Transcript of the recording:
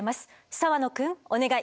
澤野くんお願い。